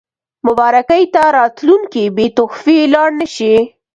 مبارکۍ ته راتلونکي بې تحفې لاړ نه شي.